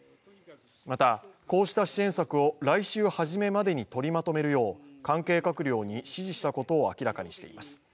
またこうした支援策を来週初めまでに取りまとめるよう関係閣僚に指示したことを明らかにしています